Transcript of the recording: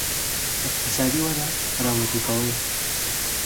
اقتصادي وده را وټوکول.